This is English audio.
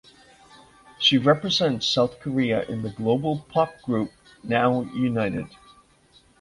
She represents South Korea in the global pop group Now United.